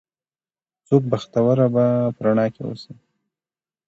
څوک بختوره به په رڼا کې اوسي